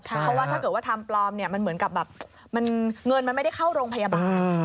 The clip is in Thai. เพราะว่าถ้าเกิดว่าทำปลอมเนี่ยมันเหมือนกับแบบเงินมันไม่ได้เข้าโรงพยาบาล